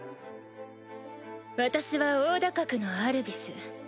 私は黄蛇角のアルビス。